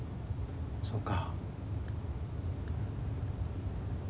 そうか。